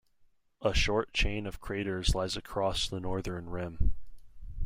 A short chain of craters lies across the northern rim.